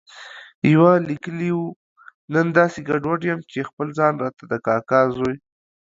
يوه ليکلي و، نن داسې ګډوډ یم چې خپل ځان راته د کاکا زوی